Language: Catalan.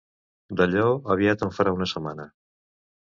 D'allò aviat en farà una setmana.